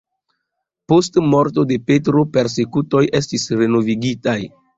Post morto de Petro persekutoj estis renovigitaj.